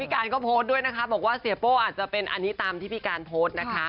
การก็โพสต์ด้วยนะคะบอกว่าเสียโป้อาจจะเป็นอันนี้ตามที่พี่การโพสต์นะคะ